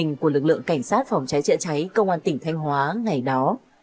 hình của lực lượng cảnh sát phòng cháy chữa cháy công an tỉnh thanh hóa ngày đó